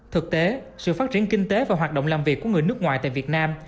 thực tế sự phát triển kinh tế và hoạt động làm việc của người nước ngoài tại việt nam